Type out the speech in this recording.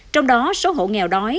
trong đó số hộ nghèo đói